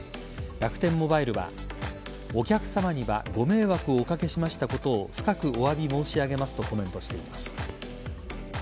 楽天モバイルはお客さまにはご迷惑をお掛けしましたことを深くお詫び申し上げますとコメントしています。